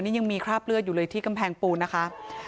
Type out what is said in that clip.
นี่ยังมีคราบเลือดอยู่เลยที่กำแพงปูนนะคะ